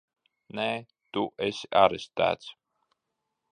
Nē! Tu esi arestēts!